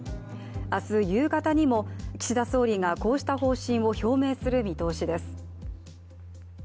明日夕方にも岸田総理がこうした方針を表明する見通しです。